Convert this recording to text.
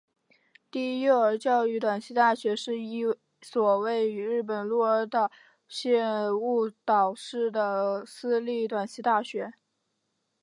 第一幼儿教育短期大学是一所位于日本鹿儿岛县雾岛市的私立短期大学。